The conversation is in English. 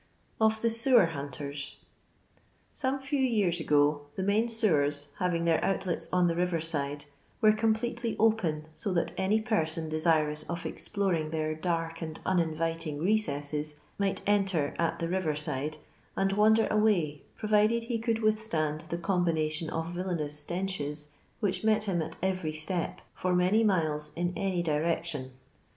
Of thb Sewer Huktebs. Some few years ago, the main sewers, having their outlets on the river side, were completely open, so that any person desirous of exploring their dark and uninviting recesses might enter at the river side, and wander away, provided he could withstand the combination of villanous stenches which met him at every step, for many miles, in any direction.